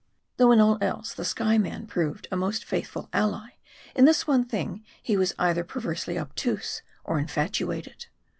Though in all else, the Skyeman proved a most faithful ally, in this one thing he was either perversely obtuse, or infatuated.